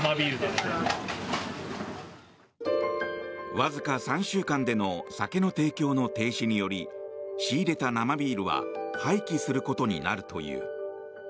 わずか３週間での酒の提供の停止により仕入れた生ビールは廃棄することになるという。